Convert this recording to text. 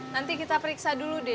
nanti kita periksa dulu deh